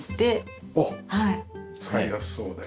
あっ使いやすそうで。